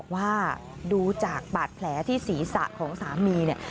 ว่าดูจากบาดแผลที่ศีรษะของสามีเนี่ย